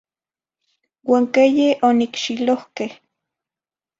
Huan queye onicxilohqueh?